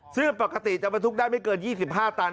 ซึ่งปกติจะบรรทุกได้ไม่เกิน๒๕ตัน